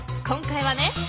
今回はね